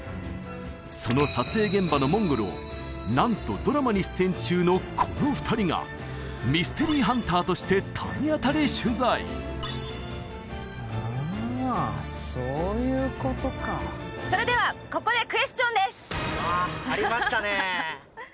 その撮影現場のモンゴルをなんとドラマに出演中のこの二人がミステリーハンターとして体当たり取材あそういうことかあ張りましたね